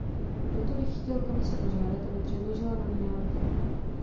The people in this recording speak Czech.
Proto bych chtěl Komisi požádat, aby předložila nový návrh.